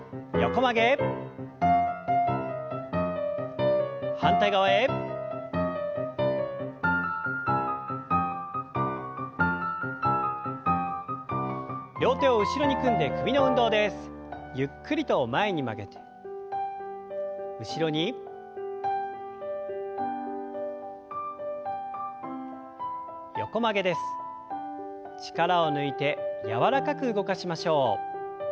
力を抜いて柔らかく動かしましょう。